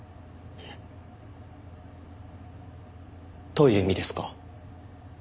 どういう意味ですか？